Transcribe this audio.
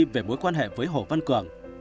về mối quan hệ với hồ văn cường